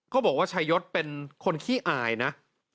บอกว่าชายศเป็นคนขี้อายนะ